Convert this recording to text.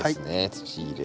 土入れ。